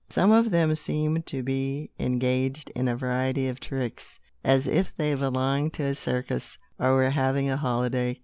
Some of them seemed to be engaged in a variety of tricks, as if they belonged to a circus, or were having a holiday.